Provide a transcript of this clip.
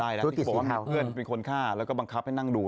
ถับได้แล้วพี่โบนว่าเพื่อนเป็นคนฆ่าแล้วก็บังคับให้นั่งดู